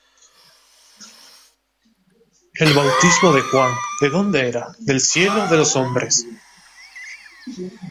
El bautismo de Juan, ¿de dónde era? ¿del cielo, ó de los hombres?